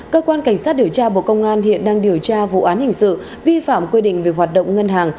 cơ quan cảnh sát điều tra bộ công an hiện đang điều tra vụ án hình sự vi phạm quy định về hoạt động ngân hàng